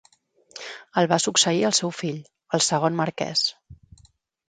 El va succeir el seu fill, el segon marquès.